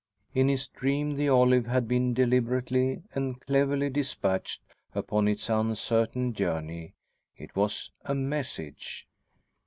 In his dream the olive had been deliberately and cleverly dispatched upon its uncertain journey. It was a message.